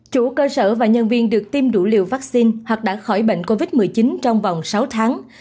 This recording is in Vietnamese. chủ cơ sở và nhân viên được tiêm đủ liều vaccine hoặc đã khỏi bệnh covid một mươi chín trong vòng sáu tháng